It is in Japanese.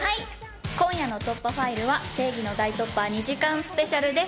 今夜の『突破ファイル』は正義の大突破２時間スペシャルです。